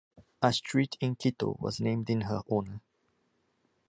A street in Quito was named in her honor.